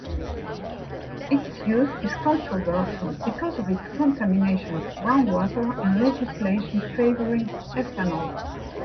Its use is controversial because of its contamination of groundwater and legislation favoring ethanol.